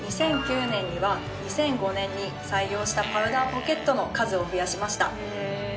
２００９年には２００５年に採用したパウダーポケットの数を増やしました。